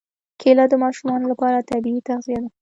کېله د ماشو لپاره طبیعي تغذیه ده.